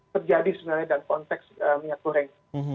terjadi sebenarnya dalam konteks minyak goreng